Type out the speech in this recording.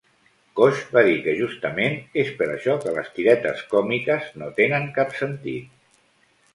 Cosh va dir que justament es per això que les tiretes còmiques no tenen cap sentit.